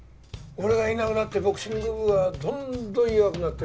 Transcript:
俺がいなくなってボクシング部はどんどん弱くなってる。